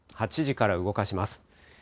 ８時から動かします。